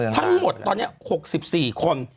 ทั้งหมดตอนนี้๖๔คน